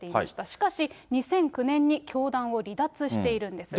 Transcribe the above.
しかし、２００９年に教団を離脱しているんです。